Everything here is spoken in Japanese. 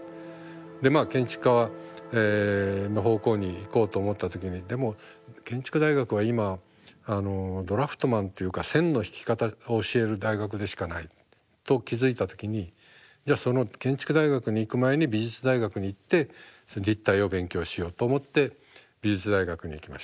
でまあ建築家の方向に行こうと思った時にでも建築大学は今ドラフトマンというか線の引き方を教える大学でしかないと気付いた時にじゃあその建築大学に行く前に美術大学に行って立体を勉強しようと思って美術大学に行きました。